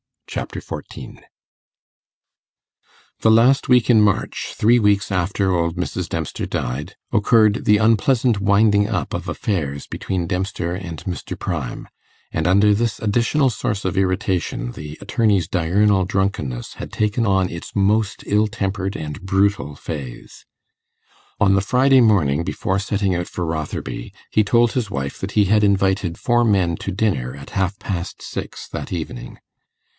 Chapter 14 The last week in March three weeks after old Mrs. Dempster died occurred the unpleasant winding up of affairs between Dempster and Mr. Pryme, and under this additional source of irritation the attorney's diurnal drunkenness had taken on its most ill tempered and brutal phase. On the Friday morning, before setting out for Rotherby, he told his wife that he had invited 'four men' to dinner at half past six that evening.